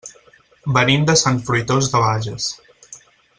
Venim de Sant Fruitós de Bages.